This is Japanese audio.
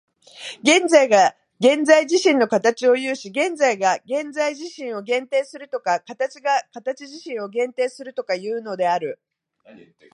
現在が現在自身の形を有し、現在が現在自身を限定するとか、形が形自身を限定するとかいうのである。